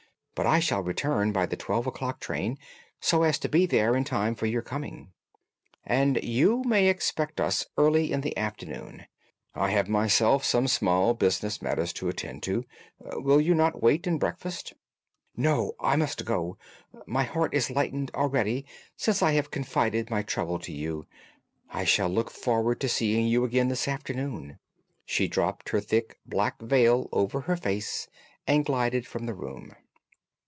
But I shall return by the twelve o'clock train, so as to be there in time for your coming." "And you may expect us early in the afternoon. I have myself some small business matters to attend to. Will you not wait and breakfast?" "No, I must go. My heart is lightened already since I have confided my trouble to you. I shall look forward to seeing you again this afternoon." She dropped her thick black veil over her face and glided from the room.